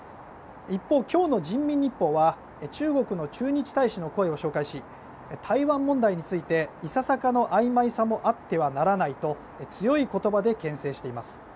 一方、今日の人民日報は中国の駐日大使の声を紹介し台湾問題についていささかのあいまいさもあってはならないと強い言葉でけん制しています。